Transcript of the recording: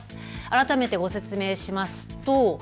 改めてご説明します。